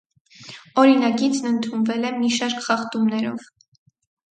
Օրինագիծն ընդունվել է մի շարք խախտումներով։